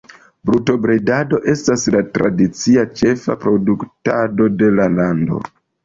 Brutobredado estas la tradicia ĉefa produktado de la lando.